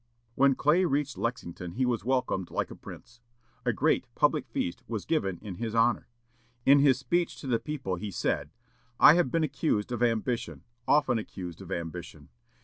When Clay reached Lexington he was welcomed like a prince. A great public feast was given in his honor. In his speech to the people he said: "I have been accused of ambition, often accused of ambition.